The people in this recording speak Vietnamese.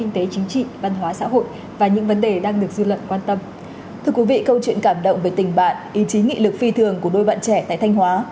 thưa quý vị câu chuyện cảm động về tình bạn ý chí nghị lực phi thường của đôi bạn trẻ tại thanh hóa